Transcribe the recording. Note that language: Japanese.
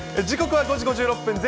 時刻は５時５６分。